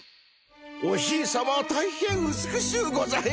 おひいさまは大変美しゅうございます